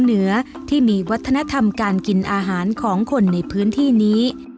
เหนือที่มีวัฒนธรรมการกินอาหารของคนในพื้นที่นี้